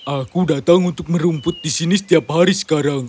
aku datang untuk merumput di sini setiap hari sekarang